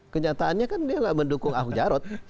kenyataannya kan dia tidak mendukung ahok jarok